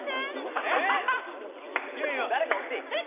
誰か欲しい。